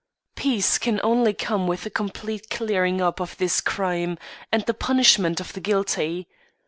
Peace can only come with the complete clearing up of this crime, and the punishment of the guilty.